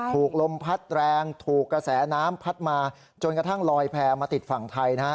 ลมพัดแรงถูกกระแสน้ำพัดมาจนกระทั่งลอยแพร่มาติดฝั่งไทยนะฮะ